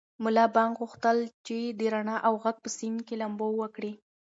ملا بانګ غوښتل چې د رڼا او غږ په سیند کې لامبو وکړي.